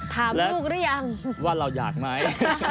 ถามลูกหรือยังว่าเราอยากไหม